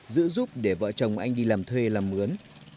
giữ giúp để vợ chồng anh đi làm thuê làm ướn